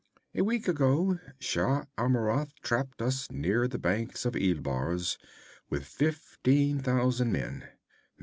A week ago Shah Amurath trapped us near the banks of Ilbars with fifteen thousand men.